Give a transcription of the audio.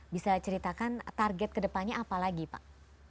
bisa ceritakan target kedepannya apa lagi pak